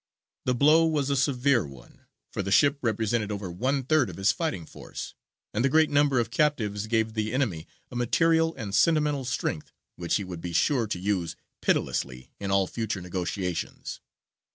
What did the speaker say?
The blow was a severe one, for the ship represented over one third of his fighting force, and the great number of captives gave the enemy a material and sentimental strength which he would be sure to use pitilessly in all future negotiations.